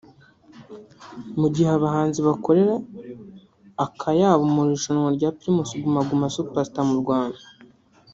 Mu gihe abahanzi bakorera akayabo mu irushanwa rya Primus Guma Guma Super Star mu Rwanda